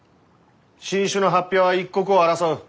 新種の発表は一刻を争う。